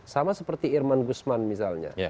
sama seperti irman gusman misalnya